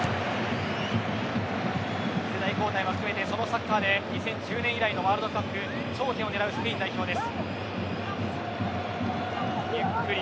世代交代も含めてその中で２０１０年以来のワールドカップ頂点を狙うスペインです。